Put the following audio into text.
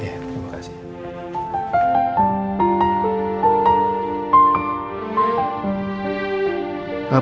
iya terima kasih